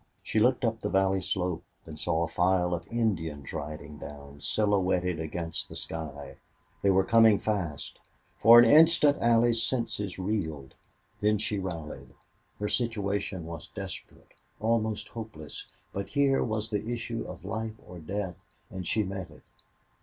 She looked up the valley slope and saw a file of Indians riding down, silhouetted against the sky. They were coming fast. For an instant Allie's senses reeled. Then she rallied. Her situation was desperate almost hopeless. But here was the issue of life or death, and she met it.